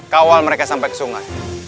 kawal mereka sampai ke sungai